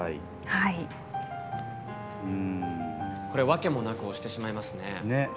訳もなく押してしまいますね。